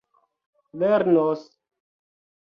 lernos